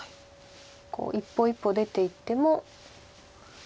一歩一歩出ていっても。